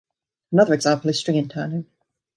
Another example is string interning.